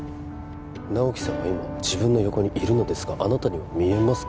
直木さんは今自分の横にいるのですがあなたには見えますか？